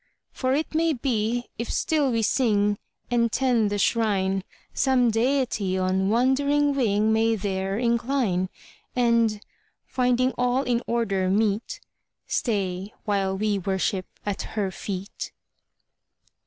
"For it may be, if still we sing And tend the Shrine, Some Deity on wandering wing May there incline; And, finding all in order meet, Stay while we worship at Her feet."